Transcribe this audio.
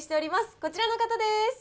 こちらの方です。